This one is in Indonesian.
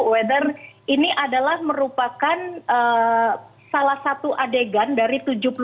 weather ini adalah merupakan salah satu adegan dari tujuh puluh delapan